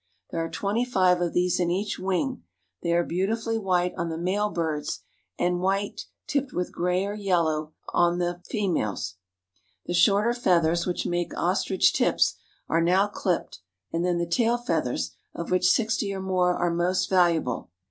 There are twenty five of these in each wing; they are beautifully white on the male birds, and white, tipped with gray or yellow, on the KIMBERLEY AND THE DIAMOND MINES 29S females. The shorter feathers, which make ostrich tips, are now clipped and then the tail feathers, of which sixty or more are most valuable.